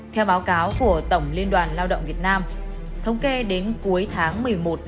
theo báo cáo của tổng liên đoàn lao động việt nam thống kê đến cuối tháng một mươi một năm hai nghìn hai mươi hai đã cho thấy